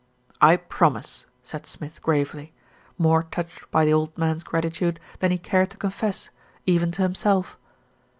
"I promise," said Smith gravely, more touched by the old man's gratitude than he cared to confess, even to himself.